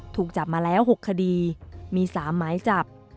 ถูกจับมาแล้ว๖คดีมี๓หมายจับ